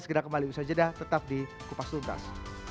segera kembali bersajadah tetap di kupas tuntas